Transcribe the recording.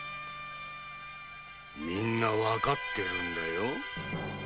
みんな分かってるんだよ。